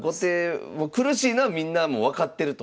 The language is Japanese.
もう苦しいのはみんなもう分かってると。